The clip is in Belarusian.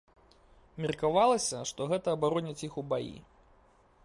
Меркавалася, што гэта абароніць іх у баі.